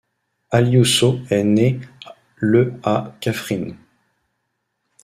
Aliou Sow est né le à Kaffrine.